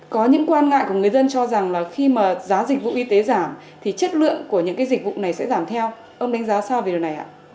có những quan ngại của người dân cho rằng là khi mà giá dịch vụ y tế giảm thì chất lượng của những dịch vụ này sẽ giảm theo ông đánh giá sao về điều này ạ